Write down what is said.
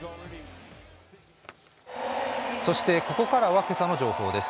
そしてここからは今朝の情報です。